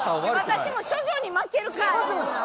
私も「“処女”に負けるか」やねんな。